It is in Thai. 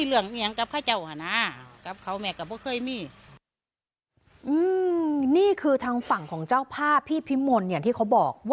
อืมนี่คือทางฝั่งของเจ้าพาบพี่พิมนต์ที่เค้าบอก